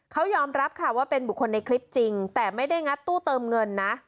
เขายอมรับค่ะว่าเป็นบุคคลในคลิปจริงแต่ไม่ได้งัดตู้เติมเงินนะ